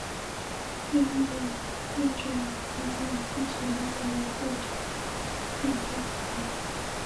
最近的进展已经让机器人的行为变成更加复杂。